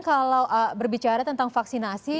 kalau berbicara tentang vaksinasi